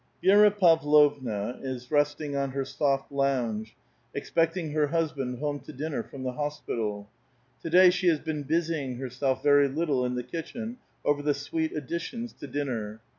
ViERA Pavlovna is resting on her soft lounge, expecting her husband home to dinner from the hospital. To day she has been busying herself very little in the kitchen over the sweet additions to dinner.